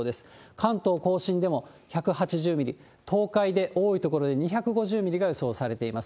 関東甲信でも１８０ミリ、東海で多い所で２５０ミリが予想されています。